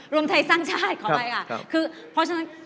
รวมไทยสร้างชาติขอไปค่ะ